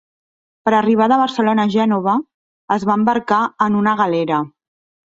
Per arribar de Barcelona a Gènova, es va embarcar en una galera.